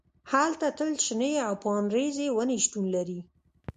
هلته تل شنې او پاڼریزې ونې شتون لري